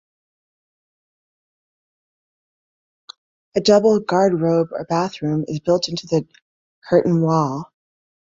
A double garderobe or bathroom is built into the curtain wall.